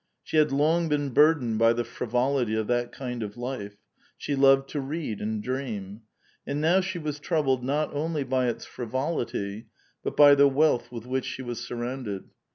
She had long been burdened by the frivolity of that kind of life ; she loved to read and dream. And now she was troubled not onl>' by its frivolity, but by the wealth with which she was surrounded.